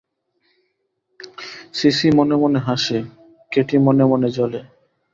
CC মনে মনে হাসে, কেটি মনে মনে জ্বলে।